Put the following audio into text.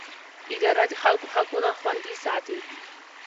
اداره د خلکو حقونه خوندي ساتي.